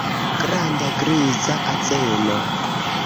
Granda griza azeno.